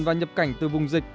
và nhập cảnh từ vùng dịch